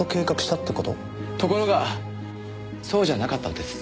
ところがそうじゃなかったんです。